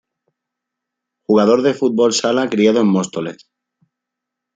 Jugador de fútbol sala criado en Móstoles.